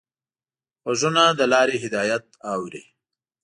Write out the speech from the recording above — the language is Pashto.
غوږونه د لارې هدایت اوري